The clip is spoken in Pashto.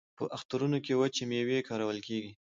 په اخترونو کې وچې میوې کارول کیږي.